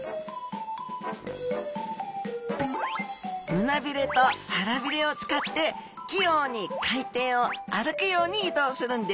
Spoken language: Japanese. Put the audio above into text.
胸鰭と腹鰭を使って器用に海底を歩くように移動するんです。